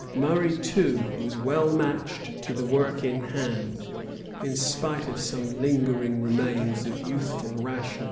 Murray, too, was well matched to the work in hand, in spite of some lingering remains of youthful rashness.